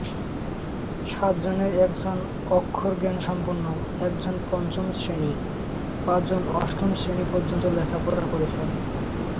সাতজনের একজন অক্ষরজ্ঞানসম্পন্ন, একজন পঞ্চম শ্রেণি, পাঁচজন অষ্টম শ্রেণি পর্যন্ত লেখাপড়া করেছেন।